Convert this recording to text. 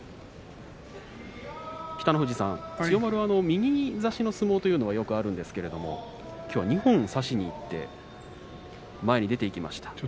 北の富士さん、千代丸は右差しの相撲というのはよくあるんですけれどもきょうは二本差しにいって前に出ていきました。